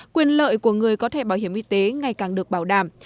quyền lợi của người có thể bảo hiểm y tế ngày càng được bảo đảm